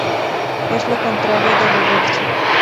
Es lo contrario de reverso.